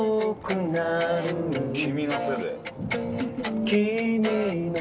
「君の手で」